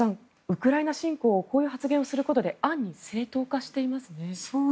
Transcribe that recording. ウクライナ侵攻をこういう発言をすることで暗に正当化していますね。